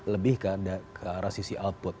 lebih ke arah sisi output